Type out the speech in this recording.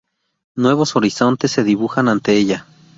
Nuevos horizontes se dibujan ante ella.